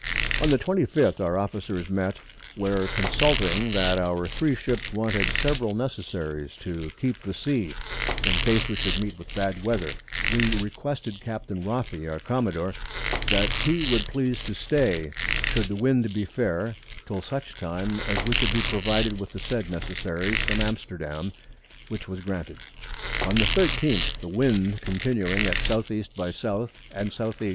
On the 25th our Officers met, where consulting that our 3 Ships wanted several Necessaries to keep the Sea, in case we should meet with bad Weather, we requested Captain Roffey our Commodore, that he would please to stay, should the Wind be fair, till such Time as we could be provided with the said Necessaries from Amsterdam, which was granted. On the 13th the Wind continuing at S. E. by S. and S. E.